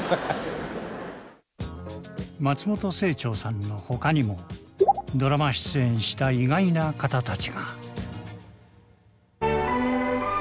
松本清張さんのほかにもドラマ出演した意外な方たちが。